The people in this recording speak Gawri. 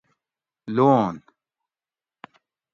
لون